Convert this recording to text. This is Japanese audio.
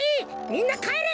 みんなかえれ！